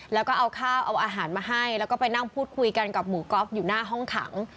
แล้วก็เอาข้าวเอาอาหารมาให้แล้วก็ไปนั่งพูดคุยกันกับหมูก๊อฟอยู่หน้าห้องขัง